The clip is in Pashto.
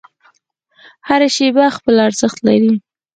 هره شیبه خپل ارزښت لري.